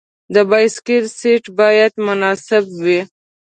د بایسکل سیټ باید مناسب وي.